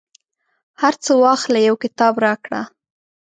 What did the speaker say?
هرڅه واخله، یو کتاب راکړه